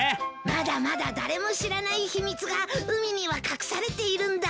まだまだ誰も知らない秘密が海には隠されているんだ。